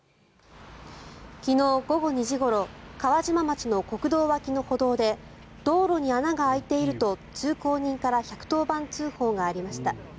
昨日午後２時ごろ川島町の国道脇の歩道で道路に穴が開いていると通行人から１１０番通報がありました。